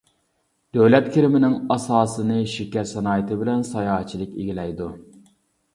دۆلەت كىرىمىنىڭ ئاساسىنى شېكەر سانائىتى بىلەن ساياھەتچىلىك ئىگىلەيدۇ.